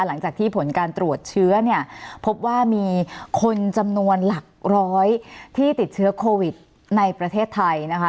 หลังจากที่ผลการตรวจเชื้อเนี่ยพบว่ามีคนจำนวนหลักร้อยที่ติดเชื้อโควิดในประเทศไทยนะคะ